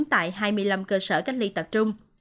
tại hai mươi năm cơ sở cách ly tập trung